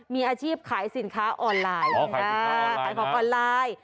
มีอาชีพขายสินค้าออนไลน์อ๋อขายสินค้าออนไลน์นะขายของออนไลน์